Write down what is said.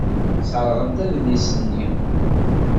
Sserɣent adlis-nni.